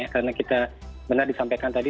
karena kita benar disampaikan tadi